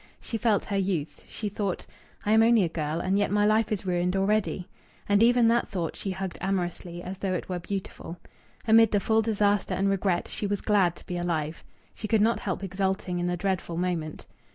She felt her youth. She thought, "I am only a girl, and yet my life is ruined already." And even that thought she hugged amorously as though it were beautiful. Amid the full disaster and regret, she was glad to be alive. She could not help exulting in the dreadful moment.